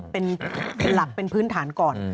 เป็นหลักเป็นพื้นฐานก่อน